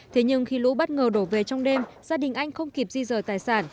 thế nhưng khi lũ bất ngờ đổ về trong đêm gia đình anh không kịp di rời tài sản